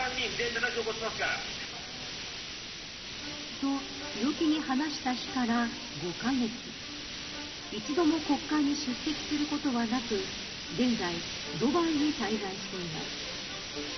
と、強気に話した日から５カ月一度も国会に出席することはなく現在、ドバイに滞在しています。